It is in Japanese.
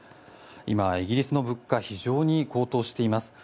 今、イギリスの物価非常に高騰しています。